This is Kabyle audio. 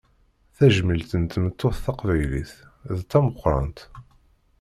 Tajmilt n tmeṭṭut taqbaylit, d tameqqrant.